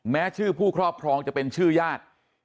แม้ชื่อผู้ครอบครองจะเป็นชื่อญาติ